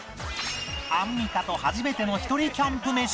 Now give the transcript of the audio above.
アンミカと初めての一人キャンプメシ